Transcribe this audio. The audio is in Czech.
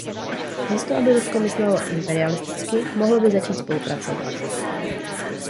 Místo aby Rusko myslelo imperialisticky, mohlo by začít spolupracovat.